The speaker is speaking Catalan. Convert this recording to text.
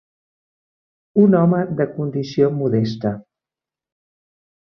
Un home de condició modesta.